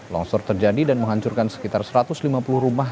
longsor terjadi dan menghancurkan sekitar satu ratus lima puluh rumah